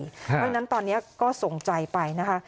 เพราะฉะนั้นตอนนี้ก็ส่งใจไปนะคะ